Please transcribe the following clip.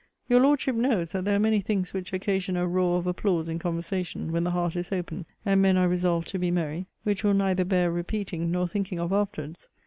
Your Lordship knows, that there are many things which occasion a roar of applause in conversation, when the heart is open, and men are resolved to be merry, which will neither bear repeating, nor thinking of afterwards.